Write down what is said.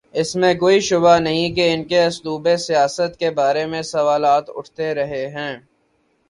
اس میں کوئی شبہ نہیں کہ ان کے اسلوب سیاست کے بارے میں سوالات اٹھتے رہے ہیں۔